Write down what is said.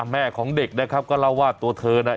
แม่ของเด็กนะครับก็เล่าว่าตัวเธอน่ะ